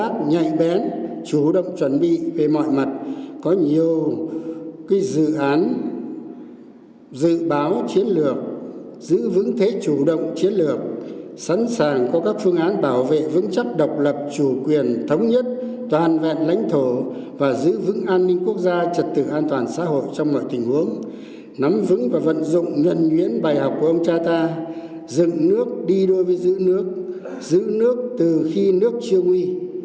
chủ động chuẩn bị về mọi mặt có nhiều cái dự án dự báo chiến lược giữ vững thế chủ động chiến lược sẵn sàng có các phương án bảo vệ vững chắc độc lập chủ quyền thống nhất toàn vẹn lãnh thổ và giữ vững an ninh quốc gia trật tự an toàn xã hội trong mọi tình huống nắm vững và vận dụng nhân nguyễn bài học của ông cha ta dựng nước đi đối với giữ nước giữ nước từ khi nước chưa nguy